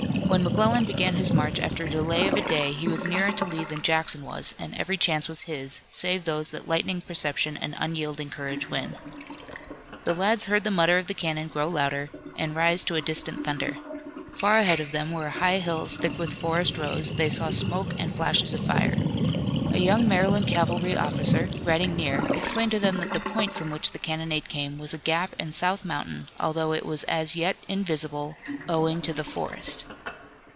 When McClellan began his march after a delay of a day he was nearer to Lee than Jackson was and every chance was his, save those that lightning perception and unyielding courage win. The lads heard the mutter of the cannon grow louder, and rise to a distant thunder. Far ahead of them, where high hills thick with forest rose, they saw smoke and flashes of fire. A young Maryland cavalry officer, riding near, explained to them that the point from which the cannonade came was a gap in South Mountain, although it was as yet invisible, owing to the forest.